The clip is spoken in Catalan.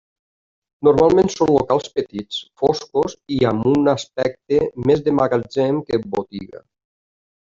Normalment són locals petits, foscos i amb un aspecte més de magatzem que botiga.